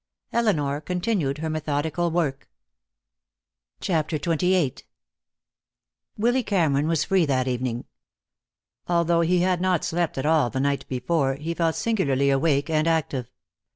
Elinor continued her methodical work. CHAPTER XXVIII Willy Cameron was free that evening. Although he had not slept at all the night before, he felt singularly awake and active.